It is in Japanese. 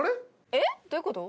えっ？どういうこと？